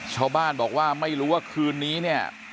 ชาวบ้านบอกว่าไม่รู้ว่าคืนนี้เนี่ย